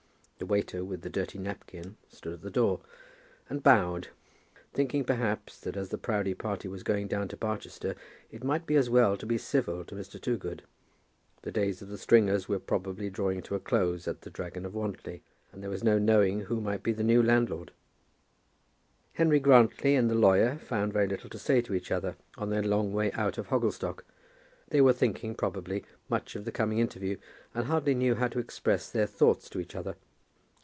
The waiter with the dirty napkin stood at the door and bowed, thinking perhaps that as the Proudie party was going down in Barchester, it might be as well to be civil to Mr. Toogood. The days of the Stringers were probably drawing to a close at "The Dragon of Wantly," and there was no knowing who might be the new landlord. Henry Grantly and the lawyer found very little to say to each other on their long way out to Hogglestock. They were thinking, probably, much of the coming interview, and hardly knew how to express their thoughts to each other.